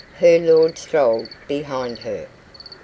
Her lord strolled behind her.